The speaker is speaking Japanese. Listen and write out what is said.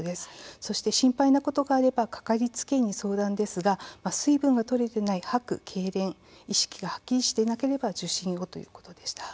そして、心配なことがあれば掛かりつけ医に相談ですが水分がとれてない吐く、けいれん意識がはっきりしてなければ受診をということでした。